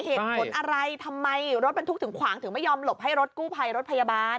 เหตุผลอะไรทำไมรถบรรทุกถึงขวางถึงไม่ยอมหลบให้รถกู้ภัยรถพยาบาล